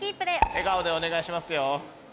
笑顔でお願いしますよ。